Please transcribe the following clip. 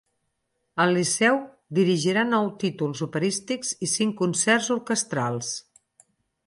Al Liceu dirigirà nou títols operístics i cinc concerts orquestrals.